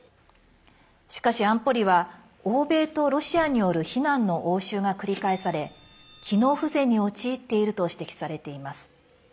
しかし、安保理は欧米とロシアによる非難の応酬が繰り返され機能不全に陥っていると指摘されています。